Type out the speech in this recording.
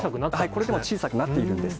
これでも小さくなっているんです。